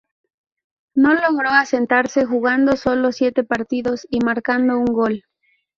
No logró asentarse, jugando solo siete partidos y marcando un gol.